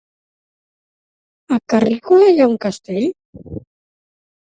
A Carrícola hi ha un castell?